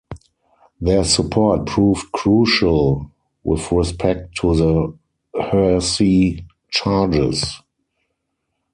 Their support proved crucial with respect to the heresy charges.